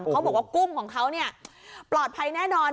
เขาบอกว่ากุ้งของเขาปลอดภัยแน่นอน